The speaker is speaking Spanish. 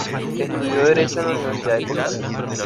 Estudió Derecho en la Universidad de Costa Rica.